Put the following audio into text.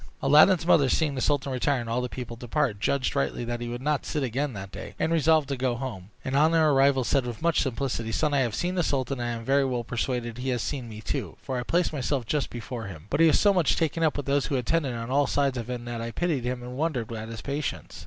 Aladdin's mother, seeing the sultan retire, and all the people depart, judged rightly that he would not sit again that day, and resolved to go home; and on her arrival said, with much simplicity, "Son, I have seen the sultan, and am very well persuaded he has seen me too, for I placed myself just before him; but he was so much taken up with those who attended on all sides of him, that I pitied him and wondered at his patience.